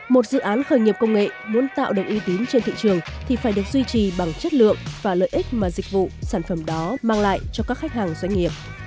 một dự án khởi nghiệp công nghệ muốn tạo được uy tín trên thị trường thì phải được duy trì bằng chất lượng và lợi ích mà dịch vụ sản phẩm đó mang lại cho các khách hàng doanh nghiệp